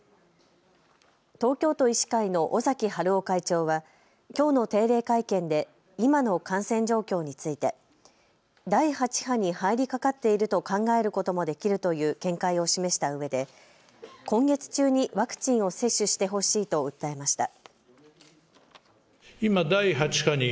東京都医師会の尾崎治夫会長はきょうの定例会見で今の感染状況について第８波に入りかかっていると考えることもできるという見解を示したうえで今月中にワクチンを接種してほしいと訴えました。